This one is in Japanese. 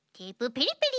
ペリペリ。